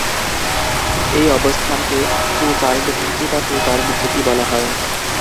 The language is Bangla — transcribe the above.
এই অবস্থানকে "টু-কার্ড হুমকি" বা "টু-কার্ড ভীতি" বলা হয়।